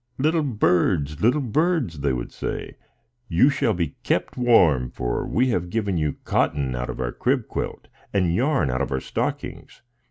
"Little birds, little birds," they would say, "you shall be kept warm, for we have given you cotton out of our crib quilt, and yarn out of our stockings."